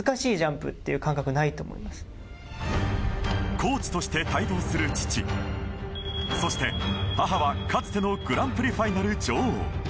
コーチとして帯同する父そして母はかつてのグランプリファイナル女王。